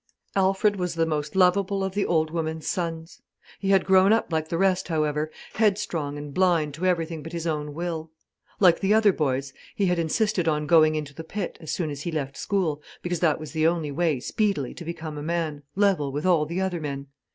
Alfred was the most lovable of the old woman's sons. He had grown up like the rest, however, headstrong and blind to everything but his own will. Like the other boys, he had insisted on going into the pit as soon as he left school, because that was the only way speedily to become a man, level with all the other men.